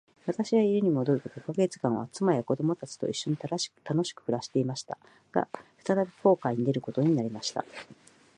私は家に戻ると五ヵ月間は、妻や子供たちと一しょに楽しく暮していました。が、再び航海に出ることになりました。